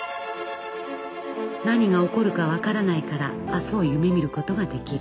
何が起こるか分からないから明日を夢みることができる。